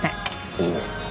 いいね。